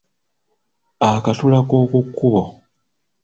Akatula k’oku kkubo.